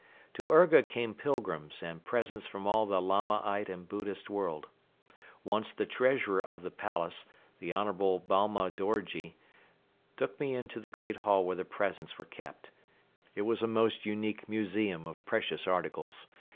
To Urga come pilgrims and presents from all the Lamaite and Buddhist world. Once the treasurer of the palace, the Honorable Balma Dorji, took me into the great hall where the presents were kept. It was a most unique museum of precious articles.